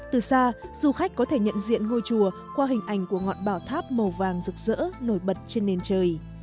từ xa du khách có thể nhận diện ngôi chùa qua hình ảnh của ngọn bảo tháp màu vàng rực rỡ nổi bật trên nền trời